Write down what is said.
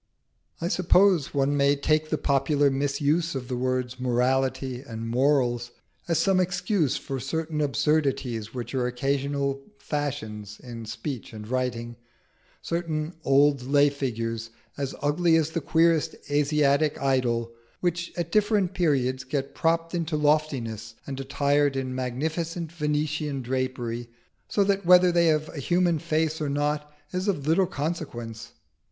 I suppose one may take the popular misuse of the words Morality and Morals as some excuse for certain absurdities which are occasional fashions in speech and writing certain old lay figures, as ugly as the queerest Asiatic idol, which at different periods get propped into loftiness, and attired in magnificent Venetian drapery, so that whether they have a human face or not is of little consequence.